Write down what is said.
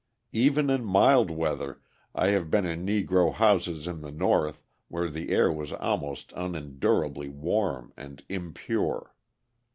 Even in mild weather I have been in Negro houses in the North where the air was almost unendurably warm and impure.